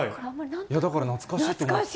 だから懐かしいなと思った。